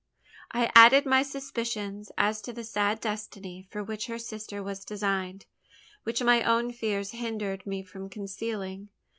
I added my suspicions as to the sad destiny for which her sister was designed which my own fears hindered me from concealing.